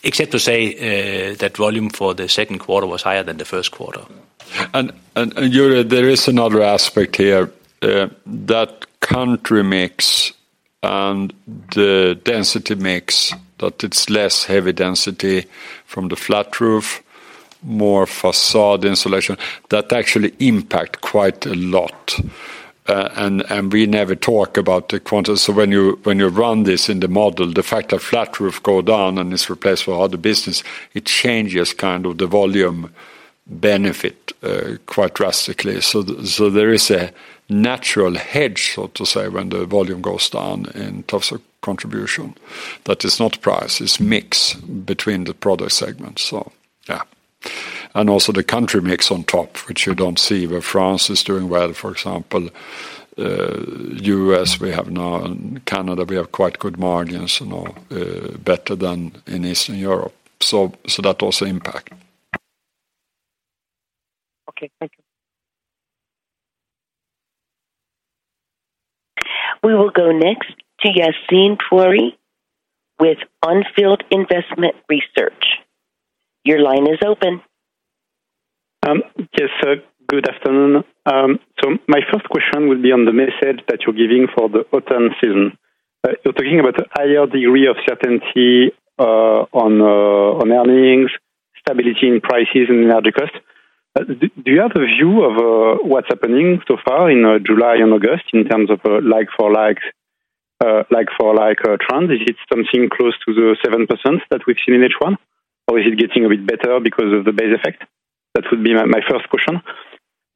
except to say that volume for the second quarter was higher than the first quarter. Joachim, there is another aspect here, that country mix and the density mix, that it's less heavy density from the flat roof, more facade insulation, that actually impact quite a lot. We never talk about the quantity. So when you, when you run this in the model, the fact that flat roof go down and it's replaced with other business, it changes kind of the volume benefit, quite drastically. So there is a natural hedge, so to say, when the volume goes down in terms of contribution, that is not price, it's mix between the product segments. So yeah. And also the country mix on top, which you don't see, where France is doing well, for example, U.S., we have now, and Canada, we have quite good margins, you know, better than in Eastern Europe. So that also impact. Okay, thank you. We will go next to Yassine Touré with On Field Investment Research. Your line is open. Yes, sir. Good afternoon. So my first question will be on the message that you're giving for the autumn season. You're talking about a higher degree of certainty on earnings, stability in prices and energy costs. Do you have a view of what's happening so far in July and August in terms of a like-for-like trend? Is it something close to the 7% that we've seen in H1, or is it getting a bit better because of the base effect? That would be my first question.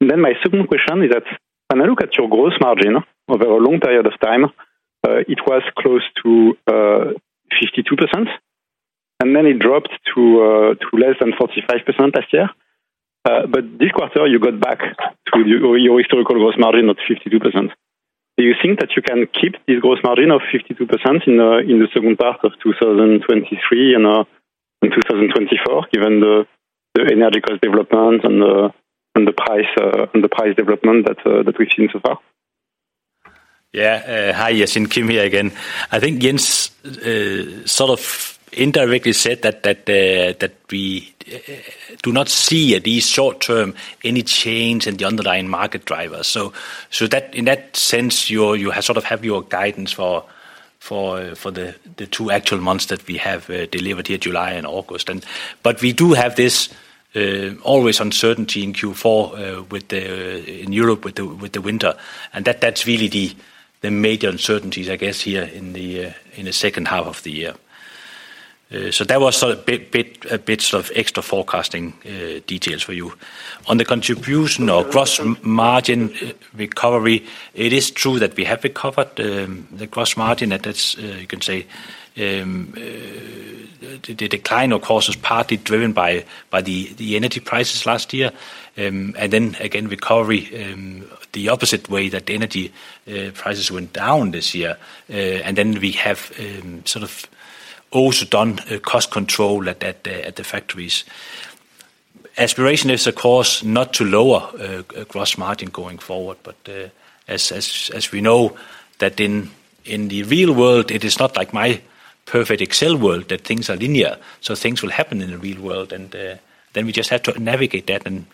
Then my second question is that when I look at your gross margin over a long period of time, it was close to 52%, and then it dropped to less than 45% last year. But this quarter you got back to your, your historical gross margin of 52%. Do you think that you can keep this gross margin of 52% in, in the second part of 2023 and, in 2024, given the, the energy cost development and the, and the price, and the price development that, that we've seen so far? Yeah. Hi, Yassine. Kim here again. I think Jens sort of indirectly said that we do not see at least short term any change in the underlying market drivers. So that in that sense you sort of have your guidance for the two actual months that we have delivered here, July and August. But we do have this always uncertainty in Q4 with in Europe with the winter. And that's really the major uncertainties, I guess, here in the second half of the year. So that was sort of a bit of extra forecasting details for you. On the contribution of gross margin recovery, it is true that we have recovered the gross margin, and that's, you can say, the decline, of course, was partly driven by the energy prices last year. And then again, recovery the opposite way that the energy prices went down this year. And then we have sort of also done cost control at the factories. Aspiration is, of course, not to lower a gross margin going forward, but as we know, that in the real world, it is not like my perfect Excel world, that things are linear. So things will happen in the real world, and then we just have to navigate that and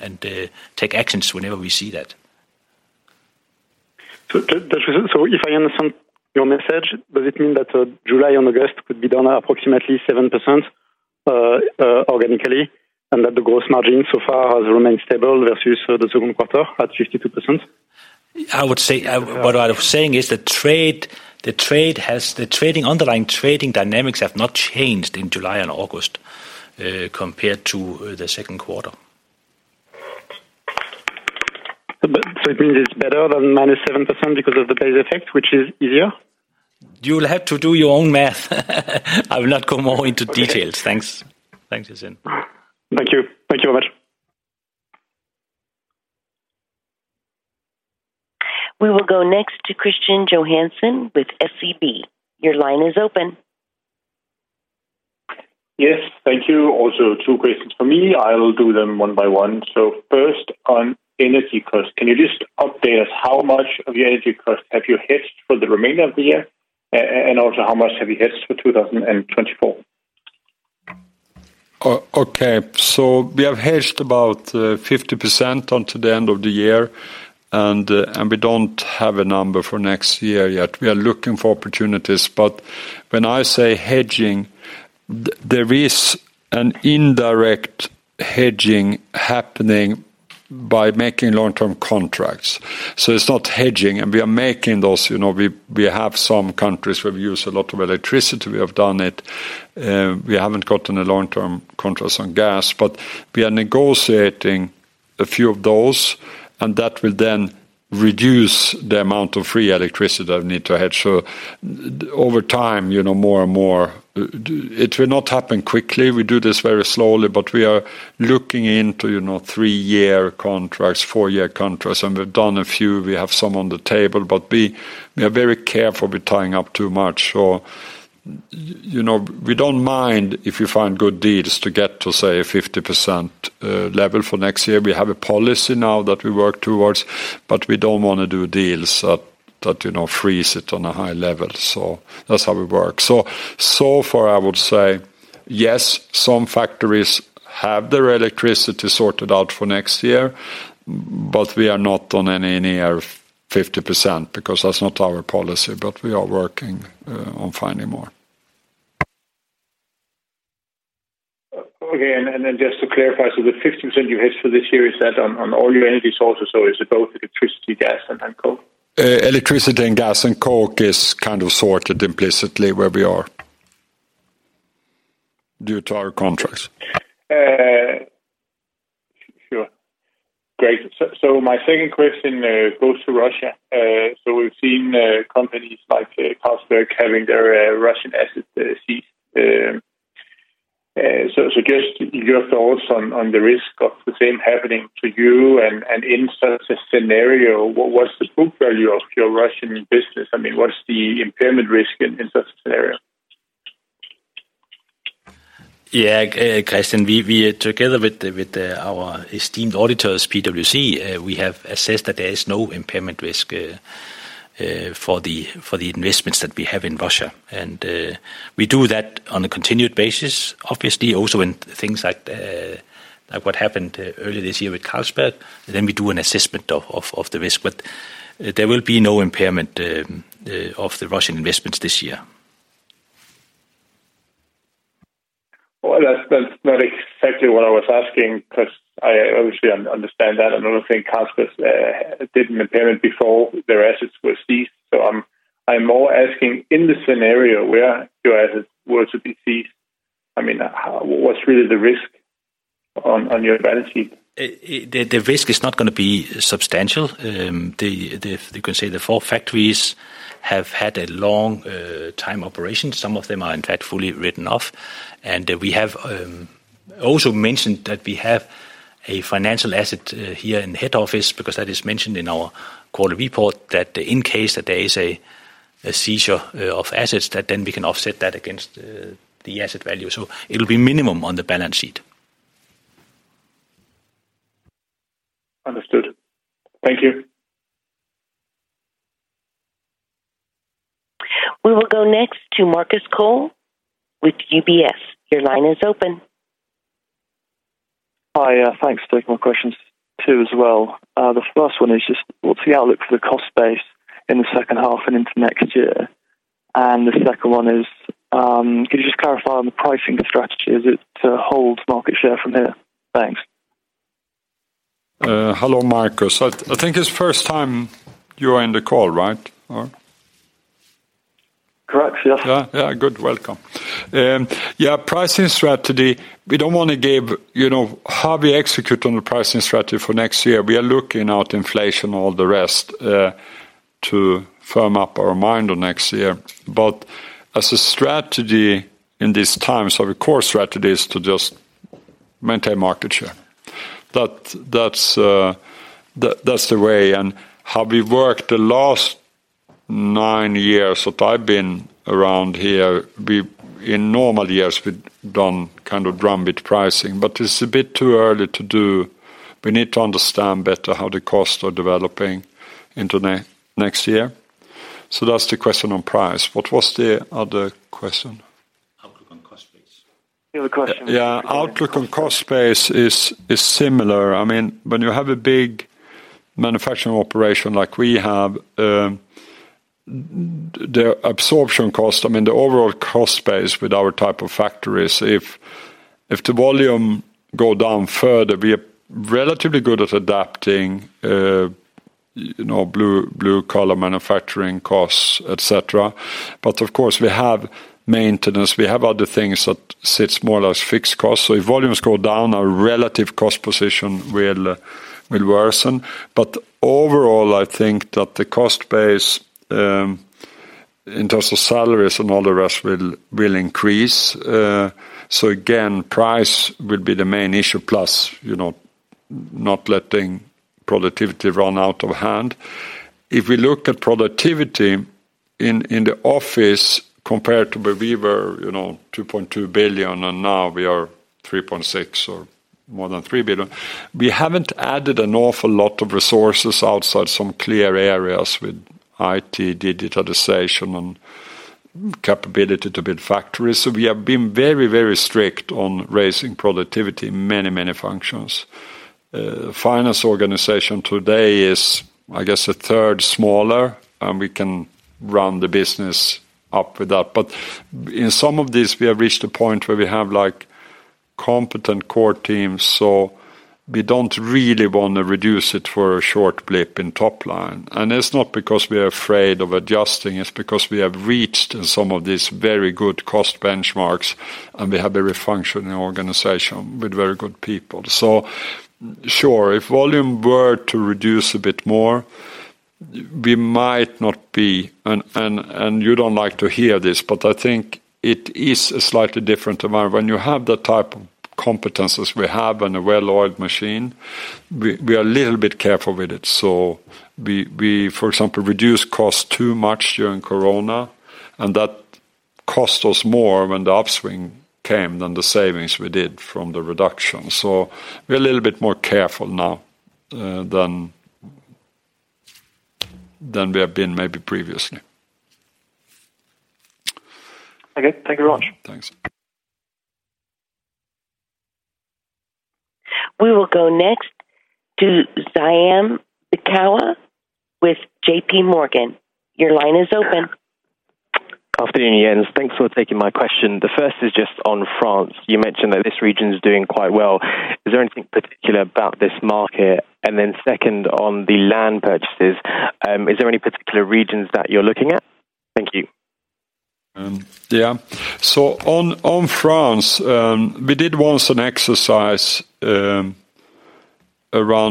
take actions whenever we see that. So, if I understand your message, does it mean that July and August could be down approximately 7%, organically, and that the gross margin so far has remained stable versus the second quarter at 52%? I would say, what I was saying is the underlying trading dynamics have not changed in July and August, compared to the second quarter. It means it's better than -7% because of the base effect, which is easier? You'll have to do your own math. I will not go more into details. Okay. Thanks. Thanks, Yassine. Thank you. Thank you very much. We will go next to Kristian Johansen with SEB. Your line is open. Yes, thank you. one by one. So first, on energy costs, can you just update us how much of your energy costs have you hedged for the remainder of the year, and also, how much have you hedged for 2024? Okay, so we have hedged about 50% until the end of the year, and we don't have a number for next year yet. We are looking for opportunities, but when I say hedging, there is an indirect hedging happening by making long-term contracts. So it's not hedging, and we are making those, you know, we have some countries where we use a lot of electricity, we have done it. We haven't gotten a long-term contracts on gas, but we are negotiating a few of those, and that will then reduce the amount of free electricity that we need to hedge. So over time, you know, more and more... It will not happen quickly. We do this very slowly, but we are looking into, you know, three-year contracts, four-year contracts, and we've done a few. We have some on the table, but we are very careful with tying up too much. So, you know, we don't mind if you find good deals to get to, say, a 50% level for next year. We have a policy now that we work towards, but we don't wanna do deals that, that, you know, freeze it on a high level. So that's how we work. So, so far, I would say, yes, some factories have their electricity sorted out for next year, but we are not on any near 50% because that's not our policy, but we are working on finding more. Okay, and then just to clarify, so the 50% you hedged for this year, is that on all your energy sources, so is it both electricity, gas, and coal? Electricity and gas and coal is kind of sorted implicitly where we are, due to our contracts. Sure. Great. So my second question goes to Russia. So we've seen companies like Carlsberg having their Russian assets seized. So just your thoughts on the risk of the same happening to you and in such a scenario, what was the book value of your Russian business? I mean, what's the impairment risk in such a scenario? Yeah, Christian, we together with our esteemed auditors, PwC, we have assessed that there is no impairment risk for the investments that we have in Russia. And we do that on a continued basis, obviously, also in things like what happened early this year with Carlsberg, then we do an assessment of the risk. But there will be no impairment of the Russian investments this year. Well, that's, that's not exactly what I was asking, 'cause I obviously understand that. I don't think Carlsberg did an impairment before their assets were seized. So I'm more asking, in this scenario, where your assets were to be seized, I mean, what's really the risk on your balance sheet? The risk is not gonna be substantial. You can say the four factories have had a long time operation. Some of them are in fact fully written off. And we have also mentioned that we have a financial asset here in head office, because that is mentioned in our quarter report, that in case there is a seizure of assets, that then we can offset that against the asset value. So it'll be minimum on the balance sheet. Understood. Thank you. We will go next to Marcus Cole with UBS. Your line is open. Hi, thanks. Take my questions too, as well. The first one is just, what's the outlook for the cost base in the second half and into next year? And the second one is, could you just clarify on the pricing strategy, is it to hold market share from here? Thanks. Hello, Marcus. I think it's first time you are in the call, right? Or... Correct, yes. Yeah, yeah, good. Welcome. Yeah, pricing strategy, we don't wanna give, you know, how we execute on the pricing strategy for next year. We are looking at inflation, all the rest, to firm up our mind on next year. But as a strategy in these times, our core strategy is to just maintain market share. That's the way and how we've worked the last nine years that I've been around here. In normal years, we've done kind of drumbeat pricing, but it's a bit too early to do. We need to understand better how the costs are developing into next year. So that's the question on price. What was the other question? Outlook on cost base. The other question- Yeah, outlook on cost base is, is similar. I mean, when you have a big manufacturing operation like we have, the absorption cost, I mean, the overall cost base with our type of factories, if, if the volume go down further, we are relatively good at adapting, you know, blue, blue-collar manufacturing costs, et cetera. But of course, we have maintenance, we have other things that sit more or less fixed costs. So if volumes go down, our relative cost position will, will worsen. But overall, I think that the cost base, in terms of salaries and all the rest, will, will increase. So again, price will be the main issue, plus, you know, not letting productivity run out of hand. If we look at productivity-... In the office, compared to where we were, you know, 2.2 billion, and now we are 3.6 or more than 3 billion. We haven't added an awful lot of resources outside some clear areas with IT, digitalization, and capability to build factories. So we have been very, very strict on raising productivity, many, many functions. Finance organization today is, I guess, a third smaller, and we can run the business up with that. But in some of these, we have reached a point where we have, like, competent core teams, so we don't really want to reduce it for a short blip in top line. And it's not because we are afraid of adjusting, it's because we have reached some of these very good cost benchmarks, and we have a very functioning organization with very good people. So sure, if volume were to reduce a bit more, we might not be, and you don't like to hear this, but I think it is a slightly different environment. When you have the type of competencies we have and a well-oiled machine, we are a little bit careful with it. So we, for example, reduced costs too much during Corona, and that cost us more when the upswing came than the savings we did from the reduction. So we're a little bit more careful now than we have been maybe previously. Okay. Thank you very much. Thanks. We will go next to Zia Zawaideh with JP Morgan. Your line is open. Good afternoon, Jens. Thanks for taking my question. The first is just on France. You mentioned that this region is doing quite well. Is there anything particular about this market? And then second, on the land purchases, is there any particular regions that you're looking at? Thank you. Yeah. So on France, we did once an exercise around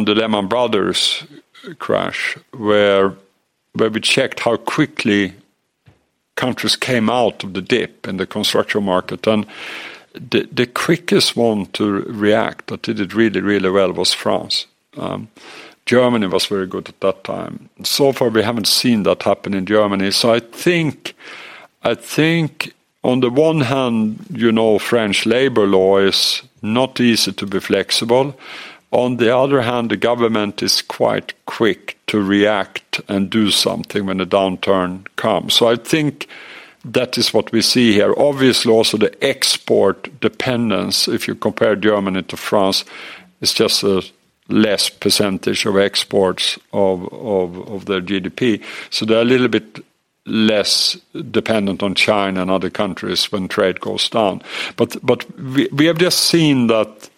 the Lehman Brothers crash, where we checked how quickly countries came out of the dip in the construction market. The quickest one to react, that did it really, really well, was France. Germany was very good at that time. So far, we haven't seen that happen in Germany. So I think on the one hand, you know, French labor law is not easy to be flexible. On the other hand, the government is quite quick to react and do something when a downturn comes. So I think that is what we see here. Obviously, also, the export dependence, if you compare Germany to France, it's just a less percentage of exports of their GDP, so they're a little bit less dependent on China and other countries when trade goes down. But we have just seen that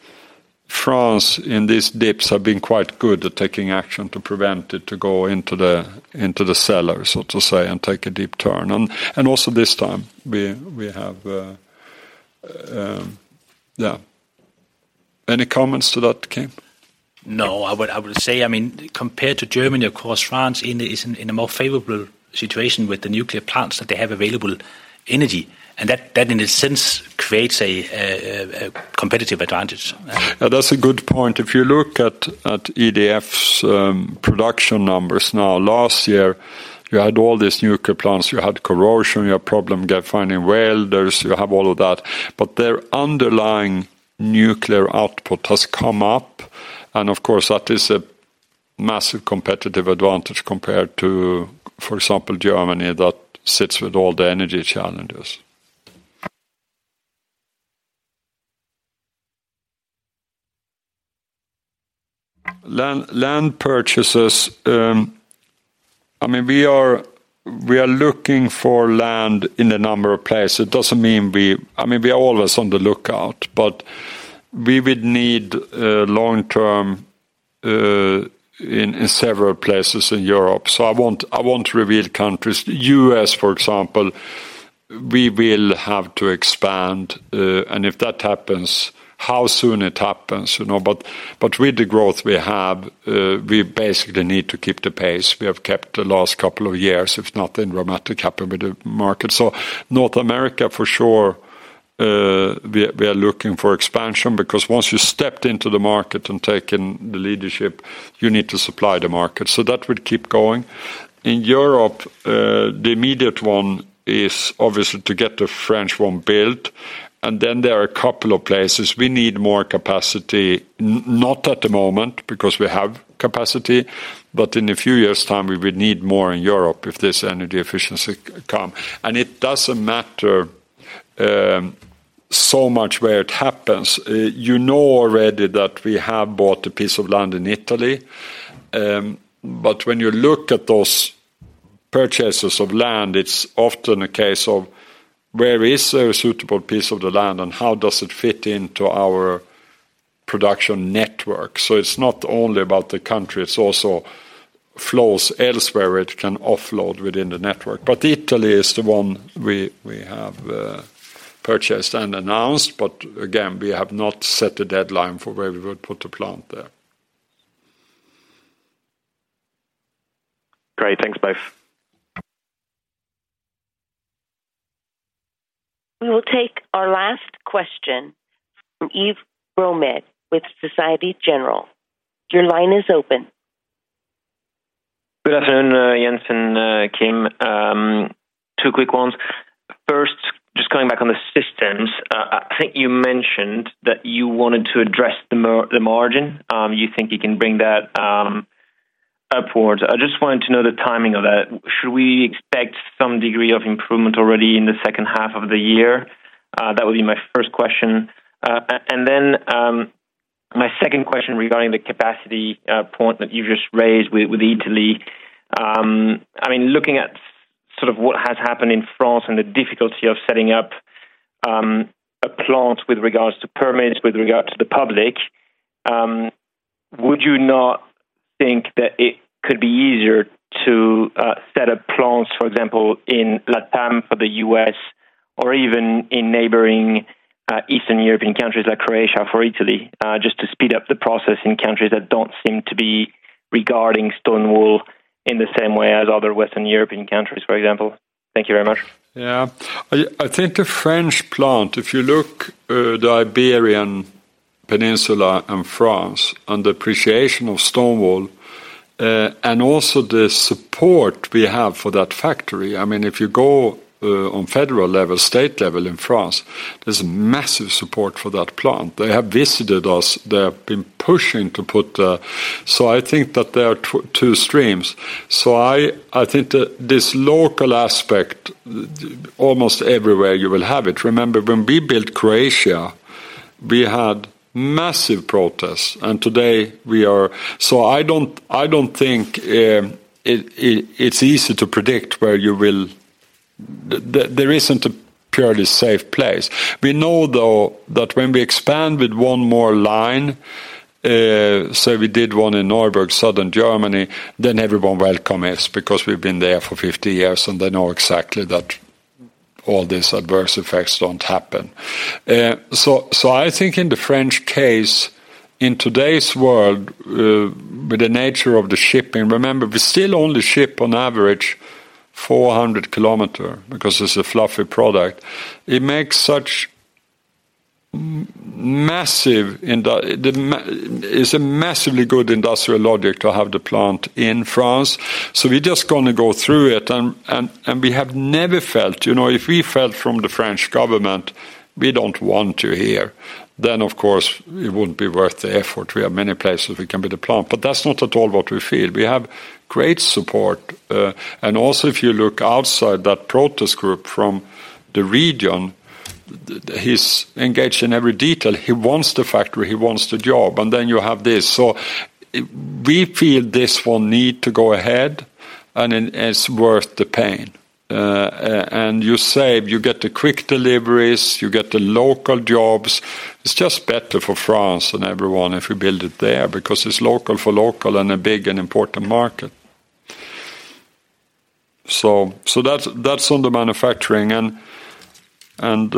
France, in these dips, have been quite good at taking action to prevent it to go into the cellar, so to say, and take a deep turn. And also this time, we have... Yeah. Any comments to that, Kim? No, I would, I would say, I mean, compared to Germany, of course, France in is in a more favorable situation with the nuclear plants, that they have available energy, and that, that, in a sense, creates a competitive advantage. Yeah, that's a good point. If you look at EDF's production numbers now, last year, you had all these nuclear plants, you had corrosion, you had problem finding welders, you have all of that, but their underlying nuclear output has come up, and of course, that is a massive competitive advantage compared to, for example, Germany, that sits with all the energy challenges. Land, land purchases, I mean, we are looking for land in a number of places. It doesn't mean we are always on the lookout, but we would need long-term in several places in Europe, so I won't reveal countries. US, for example, we will have to expand, and if that happens, how soon it happens, you know? With the growth we have, we basically need to keep the pace we have kept the last couple of years, if nothing dramatic happen with the market. So North America, for sure, we are looking for expansion, because once you stepped into the market and taken the leadership, you need to supply the market. So that would keep going. In Europe, the immediate one is obviously to get the French one built, and then there are a couple of places we need more capacity, not at the moment, because we have capacity, but in a few years' time, we will need more in Europe if this energy efficiency come. And it doesn't matter so much where it happens. You know already that we have bought a piece of land in Italy, but when you look at those purchases of land, it's often a case of where is there a suitable piece of the land and how does it fit into our production network? So it's not only about the country, it's also flows elsewhere, it can offload within the network. But Italy is the one we have purchased and announced, but again, we have not set a deadline for where we would put the plant there. Great. Thanks, both. We will take our last question from Yves Bromehead with Société Générale. Your line is open. Good afternoon, Jens and Kim. Two quick ones. First, just coming back on the systems, I think you mentioned that you wanted to address the margin. You think you can bring that upwards. I just wanted to know the timing of that. Should we expect some degree of improvement already in the second half of the year? That would be my first question. And then, my second question regarding the capacity point that you just raised with Italy. I mean, looking at sort of what has happened in France and the difficulty of setting up a plant with regards to permits, with regard to the public, would you not think that it could be easier to set up plants, for example, in Latam for the U.S. or even in neighboring Eastern European countries, like Croatia for Italy, just to speed up the process in countries that don't seem to be regarding stone wool in the same way as other Western European countries, for example? Thank you very much. Yeah. I think the French plant, if you look, the Iberian Peninsula and France, and the appreciation of stone wool, and also the support we have for that factory, I mean, if you go, on federal level, state level in France, there's massive support for that plant. They have visited us, they have been pushing to put... So I think that there are two streams. So I think that this local aspect, almost everywhere you will have it. Remember, when we built Croatia, we had massive protests, and today we are-- So I don't think, it, it's easy to predict where you will... There isn't a purely safe place. We know, though, that when we expand with one more line, so we did one in Neuburg, Southern Germany, then everyone welcome us because we've been there for 50 years, and they know exactly that all these adverse effects don't happen. So, so I think in the French case, in today's world, with the nature of the shipping, remember, we still only ship on average 400 km because it's a fluffy product. It's a massively good industrial logic to have the plant in France, so we're just gonna go through it. And we have never felt, you know, if we felt from the French government, "We don't want you here," then, of course, it wouldn't be worth the effort. We have many places we can build the plant, but that's not at all what we feel. We have great support. And also, if you look outside that protest group from the region, he's engaged in every detail. He wants the factory, he wants the job, and then you have this. So we feel this will need to go ahead, and it's worth the pain. And you save, you get the quick deliveries, you get the local jobs. It's just better for France and everyone if we build it there because it's local for local and a big and important market. So that's on the manufacturing, and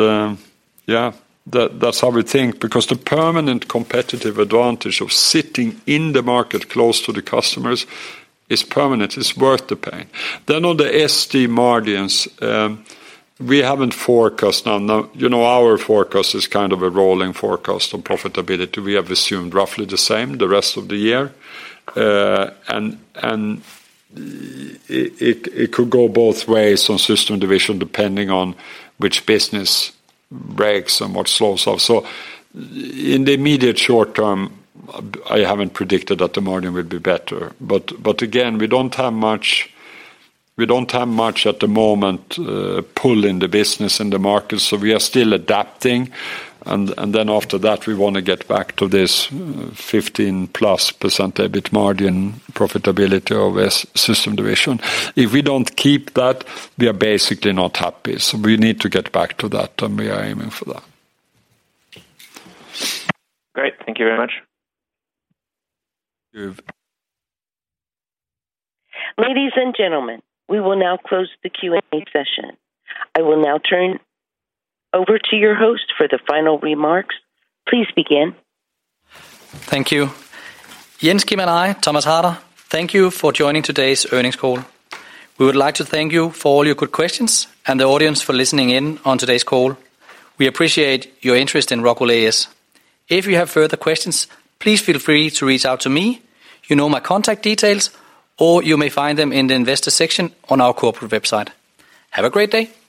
yeah, that's how we think, because the permanent competitive advantage of sitting in the market close to the customers is permanent, it's worth the pain. Then on the SD margins, we haven't forecast. Now you know, our forecast is kind of a rolling forecast on profitability. We have assumed roughly the same the rest of the year, and it could go both ways on Systems division, depending on which business breaks and what slows off. So in the immediate short term, I haven't predicted that the margin will be better. But again, we don't have much, we don't have much at the moment, pull in the business, in the market, so we are still adapting. And then after that, we want to get back to this 15%+ EBIT margin profitability of Systems division. If we don't keep that, we are basically not happy, so we need to get back to that, and we are aiming for that. Great. Thank you very much. Thank you. Ladies and gentlemen, we will now close the Q&A session. I will now turn over to your host for the final remarks. Please begin. Thank you. Jens, Kim, and I, Thomas Harder, thank you for joining today's earnings call. We would like to thank you for all your good questions and the audience for listening in on today's call. We appreciate your interest in ROCKWOOL A/S. If you have further questions, please feel free to reach out to me. You know my contact details, or you may find them in the investor section on our corporate website. Have a great day!